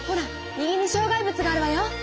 右にしょう害物があるわよ！